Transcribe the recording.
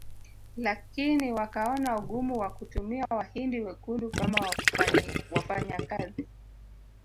Lakini wakaona ugumu wa kutumia Wahindi wekundu kama wafanyakazi